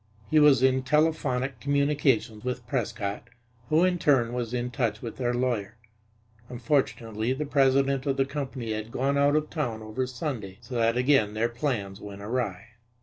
He was in telephonic communication with Prescott, who, in turn, was in touch with their lawyer. Unfortunately, the president of the company had gone out of town over Sunday, so that again their plans went awry.